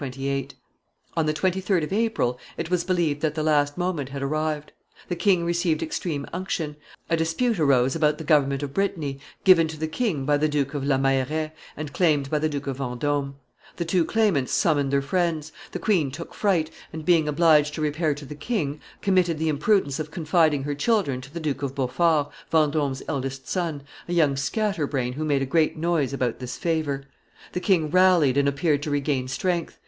v. p. 428.] On the 23d of April, it was believed that the last moment had arrived: the king received extreme unction; a dispute arose about the government of Brittany, given by the king to the Duke of La Meilleraye and claimed by the Duke of Vendome; the two claimants summoned their friends; the queen took fright, and, being obliged to repair to the king, committed the imprudence of confiding her children to the Duke of Beaufort, Vendome's eldest son, a young scatter brain who made a great noise about this favor. The king rallied and appeared to regain strength.